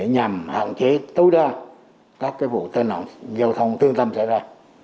nhằm hạn chế tối đa các vụ tên nộng giao thông tương tâm xảy ra